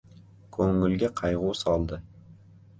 Ko‘ngilga qayg‘u soldi.